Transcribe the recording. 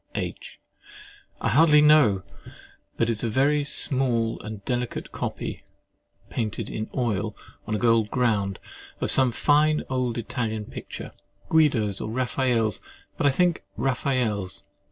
H. I hardly know; but it is a very small and delicate copy (painted in oil on a gold ground) of some fine old Italian picture, Guido's or Raphael's, but I think Raphael's.